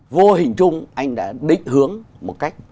vô hình chung anh đã định hướng một cách